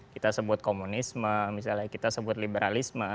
kita sebut komunisme misalnya kita sebut liberalisme